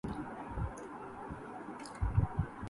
جنونِ فرقتِ یارانِ رفتہ ہے غالب!